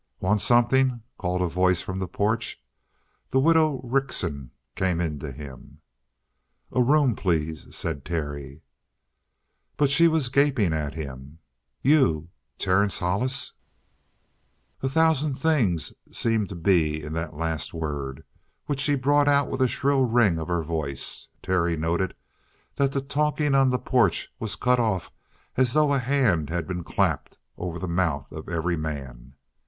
"Want something?" called a voice from the porch. The widow Rickson came in to him. "A room, please," said Terry. But she was gaping at him. "You! Terence Hollis!" A thousand things seemed to be in that last word, which she brought out with a shrill ring of her voice. Terry noted that the talking on the porch was cut off as though a hand had been clapped over the mouth of every man.